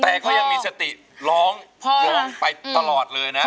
แต่ก็ยังมีสติร้องร้องไปตลอดเลยนะ